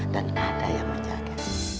dan ada yang menjaga